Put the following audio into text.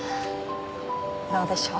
どうでしょう。